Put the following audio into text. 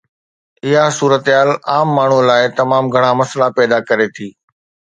اها صورتحال عام ماڻهوءَ لاءِ تمام گهڻا مسئلا پيدا ڪري ٿي